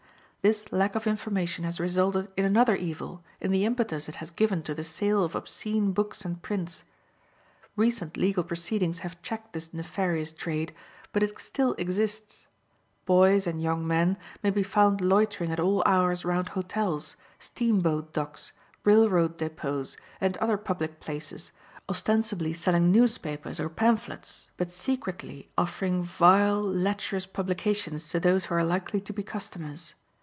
This lack of information has resulted in another evil in the impetus it has given to the sale of obscene books and prints. Recent legal proceedings have checked this nefarious trade, but it still exists. Boys and young men may be found loitering at all hours round hotels, steam boat docks, rail road depôts, and other public places, ostensibly selling newspapers or pamphlets, but secretly offering vile, lecherous publications to those who are likely to be customers.